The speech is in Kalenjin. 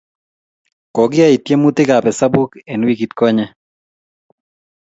kokiyei tiemutikab esabuuk eng wikitkonye